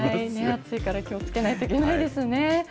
暑いから気をつけないといけないですね。